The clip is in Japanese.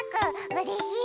うれしい！